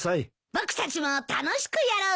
僕たちも楽しくやろう。